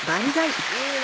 いいね！